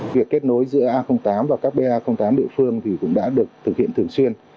việc kết nối giữa a tám và các ba tám địa phương cũng đã được thực hiện thường xuyên